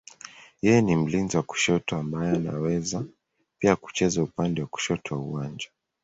Yeye ni mlinzi wa kushoto ambaye anaweza pia kucheza upande wa kushoto wa uwanja.